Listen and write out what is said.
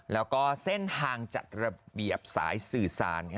แล้วก็เส้นทางจัดระเบียบสายสื่อสาร